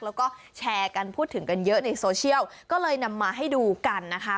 แล้วก็แชร์กันพูดถึงกันเยอะในโซเชียลก็เลยนำมาให้ดูกันนะคะ